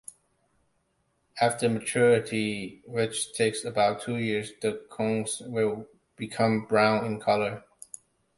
After maturity, which takes about two years, the cones will become brown in color.